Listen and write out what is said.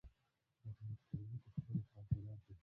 محمود طرزي په خپلو خاطراتو کې.